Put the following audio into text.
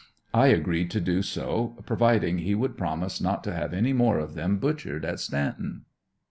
I agreed to do so providing he would promise not to have any more of them butchered at "Stanton."